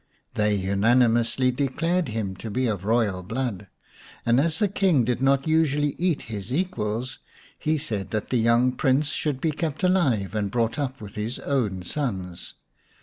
They unanimously declared him to be of royal blood, and as the King did not usually eat his equals, he said that the young Prince should be kept alive and brought up with his own sons.